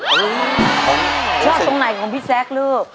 ชอบตรงไหนของพี่แซคลูก